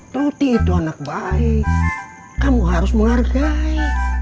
tuti itu anak baik kamu harus menghargai